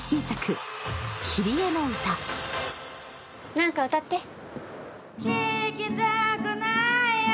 何か歌ってききたくないよ・